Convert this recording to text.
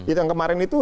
itu yang kemarin itu